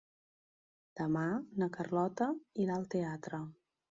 Demà na Carlota irà al teatre.